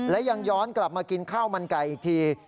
และยังย้อนกลับมากินข้าวมันไก่อีกที